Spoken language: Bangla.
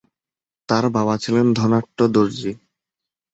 তার বাবা ছিলেন ধনাঢ্য দর্জি।